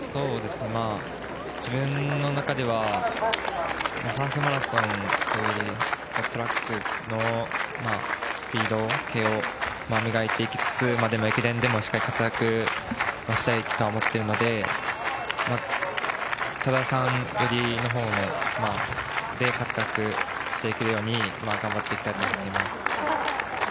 自分の中ではハーフマラソンというよりトラックのスピード系を磨いていきつつでも駅伝でもしっかり活躍したいと思っているので田澤さん寄りのほうで活躍していけるように頑張っていきたいと思います。